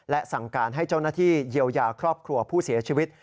และสั่งการให้เจ้าหน้าที่เยียวยาครอบครัวผู้เสียชีวิต